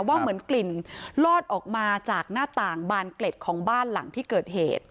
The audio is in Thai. ว่าเหมือนกลิ่นลอดออกมาจากหน้าต่างบานเกล็ดของบ้านหลังที่เกิดเหตุ